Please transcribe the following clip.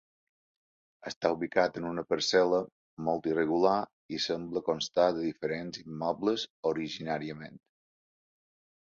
Està ubicat en una parcel·la molt irregular i sembla constar de diferents immobles originàriament.